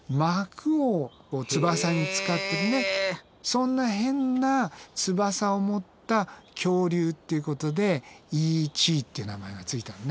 そんな変な翼をもった恐竜ってことでイー・チーって名前が付いたのね。